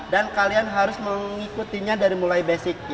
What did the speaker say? dan kalian harus mengikutinya dari mulai basic